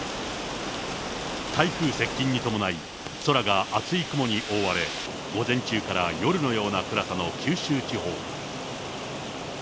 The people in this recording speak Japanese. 台風接近に伴い、空が厚い雲に覆われ、午前中から夜のような暗さの九州地方。